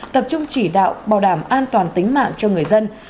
tập trung chỉ đạo bảo đảm an toàn tính mưa lũ